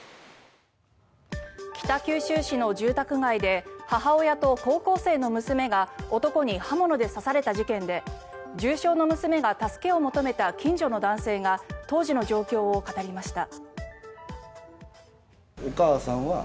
北九州市の住宅街で母親と高校生の娘が男に刃物で刺された事件で重傷の娘が助けを求めた近所の男性が当時の状況を語りました。